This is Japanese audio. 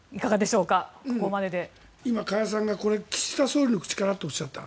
今、加谷さんが岸田総理の口からとおっしゃった。